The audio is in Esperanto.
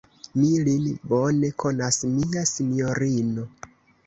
Mi lin bone konas, mia sinjorino.